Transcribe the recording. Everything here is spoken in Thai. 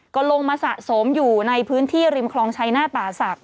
ก็ลงมาสะสมอยู่ในพื้นที่ริมคลองชัยหน้าป่าศักดิ